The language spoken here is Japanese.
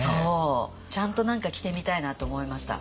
ちゃんと何か着てみたいなと思いました。